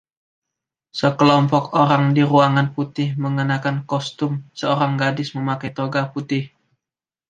Sekelompok orang di ruangan putih mengenakan kostum, seorang gadis memakai toga putih.